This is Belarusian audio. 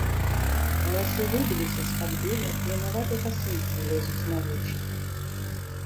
Валасы выбіліся з-пад белай клінаватай касынкі і лезуць на вочы.